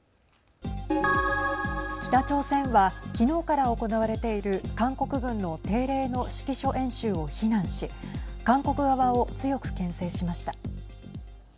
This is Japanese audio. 北朝鮮は昨日から行われている韓国軍の定例の指揮所演習を非難し韓国側を強くけん制しました。